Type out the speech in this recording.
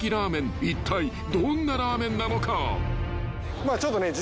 ［いったいどんなラーメンなのか］